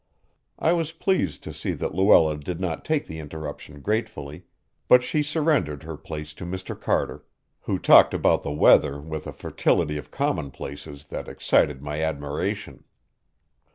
I was pleased to see that Luella did not take the interruption gratefully, but she surrendered her place to Mr. Carter, who talked about the weather with a fertility of commonplaces that excited my admiration.